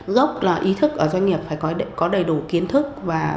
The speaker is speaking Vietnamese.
gốc là ý thức ở doanh nghiệp phải có đầy đủ kiến thức